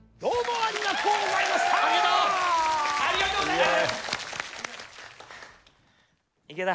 ありがとうございます。